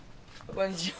こんにちは。